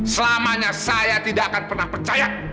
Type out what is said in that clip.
selamanya saya tidak akan pernah percaya